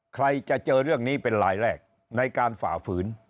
ใครจะเจอเรื่องนี้เป็นลายแรกในการฝ่าฝืน